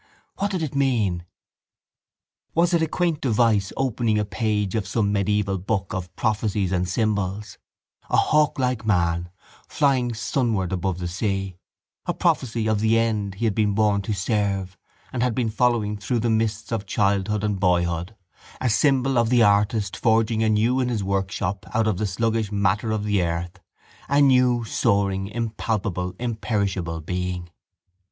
What did it mean? Was it a quaint device opening a page of some medieval book of prophecies and symbols, a hawklike man flying sunward above the sea, a prophecy of the end he had been born to serve and had been following through the mists of childhood and boyhood, a symbol of the artist forging anew in his workshop out of the sluggish matter of the earth a new soaring impalpable imperishable being?